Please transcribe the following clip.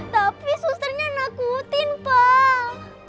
tapi susternya nakutin pak